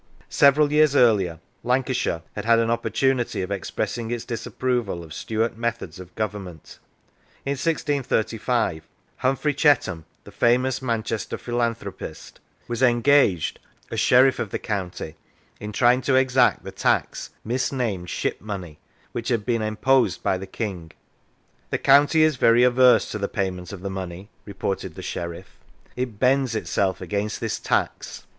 Several years earlier, Lancashire had had an op portunity of expressing its disapproval of Stuart methods of government. In 1635 Humphrey Chetham, the famous Manchester philanthropist, was 87 Lancashire engaged, as sheriff of the county, in trying to exact the tax misnamed ship money which had been imposed by the King. " The county is very averse to the payment of the money," reported the sheriff. It " bends itself against this tax."